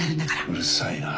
うるさいな。